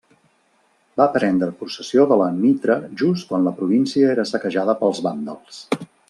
Va prendre possessió de la mitra just quan la província era saquejada pels vàndals.